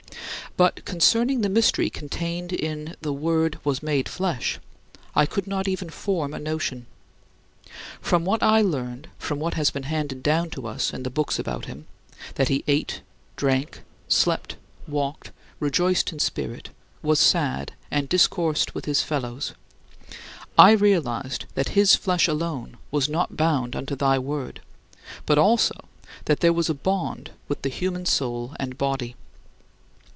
But concerning the mystery contained in "the Word was made flesh," I could not even form a notion. From what I learned from what has been handed down to us in the books about him that he ate, drank, slept, walked, rejoiced in spirit, was sad, and discoursed with his fellows I realized that his flesh alone was not bound unto thy Word, but also that there was a bond with the human soul and body.